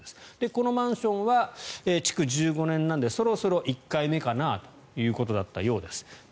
このマンションは築１５年なのでそろそろ１回目かなということだったようです。